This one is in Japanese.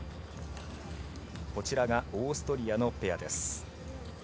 こちらがオーストリアのペアです。